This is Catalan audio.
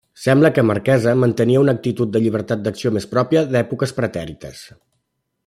Sembla que Marquesa mantenia una actitud de llibertat d'acció més pròpia d'èpoques pretèrites.